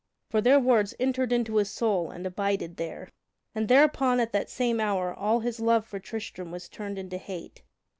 For their words entered into his soul and abided there, and thereupon at that same hour all his love for Tristram was turned into hate.